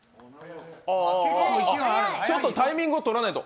ちょっとタイミングとらないと。